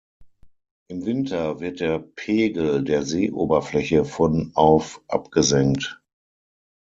Im Winter wird der Pegel der Seeoberfläche von auf abgesenkt.